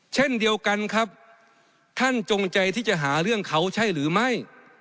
เช่นเดียวกันครับท่านจงใจที่จะหาเรื่องเขาใช่หรือไม่